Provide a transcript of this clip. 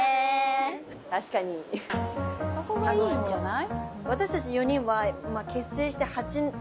そこがいいんじゃない？